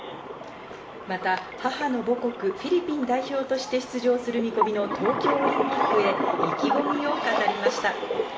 また母の母国、フィリピン代表として出場する見込みの東京オリンピックへ、意気込みを語りました。